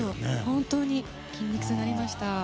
本当に筋肉痛になりました。